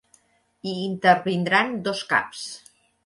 Hi intervindran dos caps.